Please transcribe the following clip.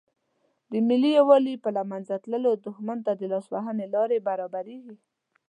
د ملي یووالي په له منځه تللو دښمن ته د لاس وهنې لارې برابریږي.